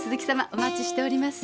お待ちしております。